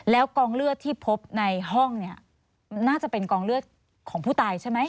แล้วกองเลือดที่พบในห้องเนี่ยน่าจะเป็นกองเลือดของผู้ตายใช่ไหม